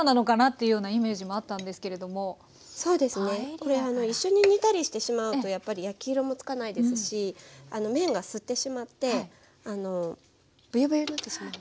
これ一緒に煮たりしてしまうとやっぱり焼き色も付かないですし麺が吸ってしまってぶよぶよになってしまう。